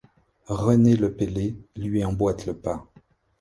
René Lepelley lui emboite le pas.